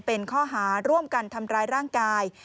เป็นข้อหาร่วมกันทำร้ายร่างกาย